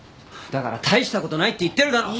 だから大したことないって言ってるだろ。